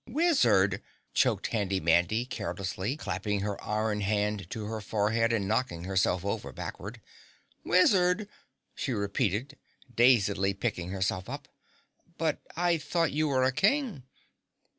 "Wizard!" choked Handy Mandy, carelessly clapping her iron hand to her forehead and knocking herself over backward. "Wizard!" she repeated, dazedly picking herself up. "But I thought you were a King?"